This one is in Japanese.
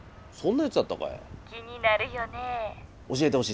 そんなやつやったかえ？